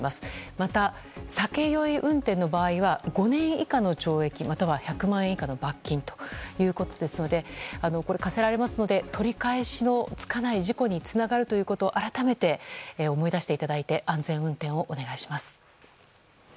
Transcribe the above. また、酒酔い運転の場合は５年以下の懲役または１００万円以下の罰金ということですのでこれらが科せられますので取り返しのつかない事故につながるということを改めて思い出していただいて安全運転をお願いします。